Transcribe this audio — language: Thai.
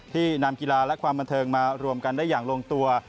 นำกีฬาและความบันเทิงมารวมกันได้อย่างลงตัว